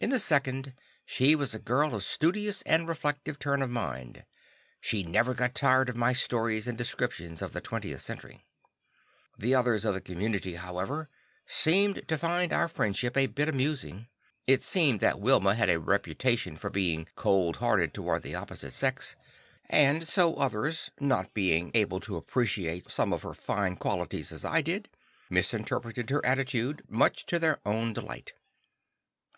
In the second, she was a girl of studious and reflective turn of mind. She never got tired of my stories and descriptions of the 20th Century. The others of the community, however, seemed to find our friendship a bit amusing. It seemed that Wilma had a reputation for being cold toward the opposite sex, and so others, not being able to appreciate some of her fine qualities as I did, misinterpreted her attitude, much to their own delight.